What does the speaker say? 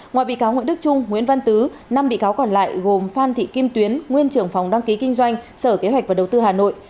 ngoài bị cáo nguyễn đức trung nguyễn văn tứ năm bị cáo còn lại gồm phan thị kim tuyến nguyên trưởng phòng đăng ký kinh doanh sở kế hoạch và đầu tư hà nội